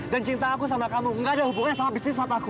dan cinta aku sama kamu gak ada hubungannya sama bisnis mataku